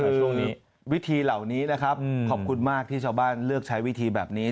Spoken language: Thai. ช่วงนี้วิธีเหล่านี้นะครับขอบคุณมากที่ชาวบ้านเลือกใช้วิธีแบบนี้